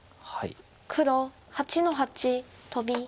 黒８の八トビ。